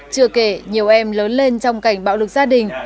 chưa kể nhiều em lớn lên trong cảnh bạo lực gia đình